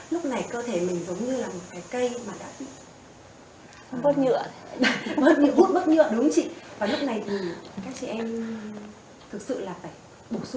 lúc này cơ thể mình giống như là một cái cây mà đã bị hút bớt nhựa